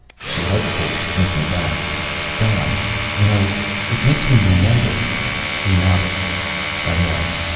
She hesitated, thinking back. "Don, you know, it makes me remember " He nodded. "I know."